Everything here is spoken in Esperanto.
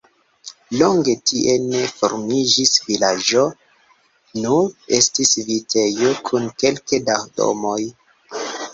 Longe tie ne formiĝis vilaĝo, nur estis vitejo kun kelke da domoj.